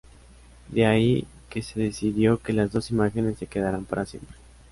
De ahí que se decidió que las dos imágenes se quedaran para siempre.